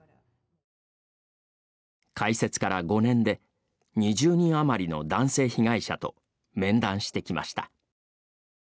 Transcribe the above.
開設から５年で、２０人余りの男性被害者と面談してきました。